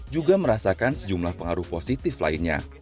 juga merasakan sejumlah pengaruh positif lainnya